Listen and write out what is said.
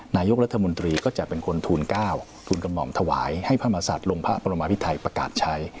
นายกรัฐมนตรีก็จะเป็นคนทูล๙ทูลกระหม่อมถวายให้พระมหาศัตริย์ลงพระบรมพิไทยประกาศใช้